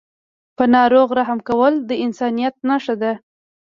په ناروغ رحم کول د انسانیت نښه ده.